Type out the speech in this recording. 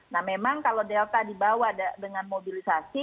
nah memang kalau delta di bawah dengan mobilisasi